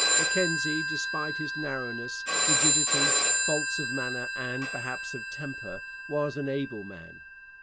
Mackenzie, despite his narrowness, rigidity, faults of manner, and perhaps of temper, was an able man.